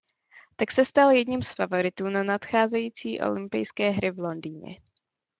Tak se stal jedním z favoritů na nadcházející olympijské hry v Londýně.